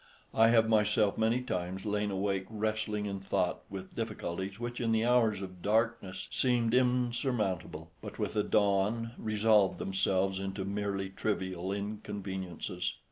I have myself many times lain awake wrestling in thought with difficulties which in the hours of darkness seemed insurmountable, but with the dawn resolved themselves into merely trivial inconveniences.